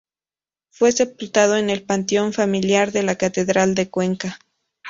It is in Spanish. Fue sepultado en el panteón familiar de la catedral de Cuenca.